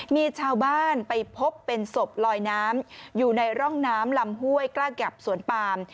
มีชาวบ้านไปพบเป็นศพลอยน้ำอยู่ในร่องน้ำลำห้วยกล้าแกบสวนปาม